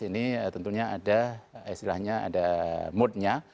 ini tentunya ada istilahnya ada moodnya